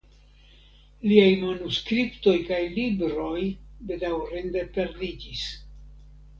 Liaj manuskriptoj kaj libroj bedaŭrinde perdiĝis.